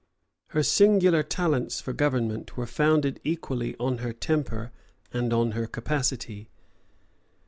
Her singular talents for government were founded equally on her temper and on her capacity.